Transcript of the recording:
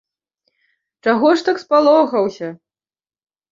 Чаго ж так спалохаўся?